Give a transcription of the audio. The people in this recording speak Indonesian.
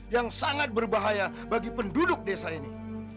yang sangat berbahaya bagi penduduk desa ini